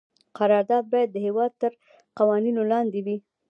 قرارداد باید د هیواد تر قوانینو لاندې وي.